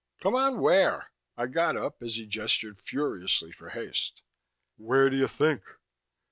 "Come on where?" I got up as he gestured furiously for haste. "Where do you think?